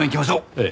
ええ。